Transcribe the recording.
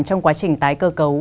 trong quá trình tái cơ cấu